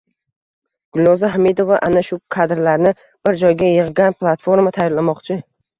Gulnoza Homidova ana shu kadrlarni bir joyga yig‘gan platforma tayyorlamoqchi.